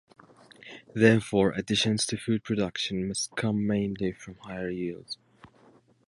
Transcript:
Therefore, additions to food production must come mainly from higher yields.